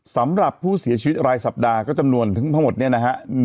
สำหรับผู้เสียชีวิตรายสัปดาห์ก็จำนวนถึงทั้งหมดเนี่ยนะฮะ